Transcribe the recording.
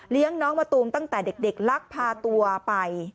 น้องมะตูมตั้งแต่เด็กลักพาตัวไป